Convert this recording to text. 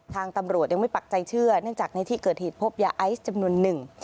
ทางตำรวจยังไม่ปักใจเชื่อเนื่องจากในที่เกิดเหตุพบยาไอซ์จำนวนหนึ่ง